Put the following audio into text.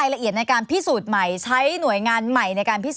เป็นอย่างยังไง